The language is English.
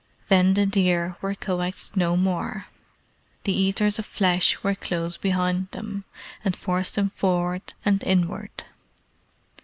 Then the deer were coaxed no more. The Eaters of Flesh were close behind them, and forced them forward and inward.